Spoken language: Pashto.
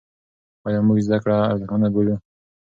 ایا موږ زده کړه ارزښتمنه بولو؟